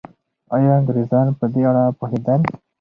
آیا انګریزان په دې اړه پوهېدل؟